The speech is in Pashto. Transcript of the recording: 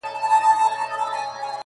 بلکې د وخت نقادان یې هم